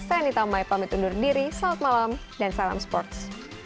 saya anita mai pamit undur diri selamat malam dan salam sports